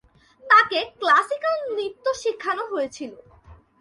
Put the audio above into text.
তাকে ক্লাসিকাল নৃত্য শেখানো হয়েছিল।